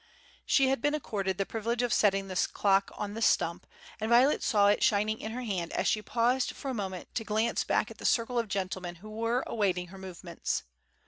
She had been accorded the privilege of setting the clock on this stump, and Violet saw it shining in her hand as she paused for a moment to glance back at the circle of gentlemen who were awaiting her movements.